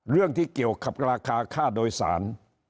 เรื่องที่เกี่ยวกับราคาค่าโดยสาร